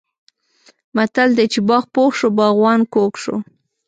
متل دی: چې باغ پوخ شو باغوان کوږ شو.